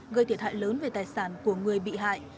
gây thiệt hại lớn về tài sản của người bị hại